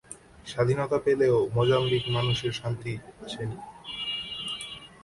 স্বাধীনতা পেলেও মোজাম্বিকের মানুষের শান্তি আসেনি।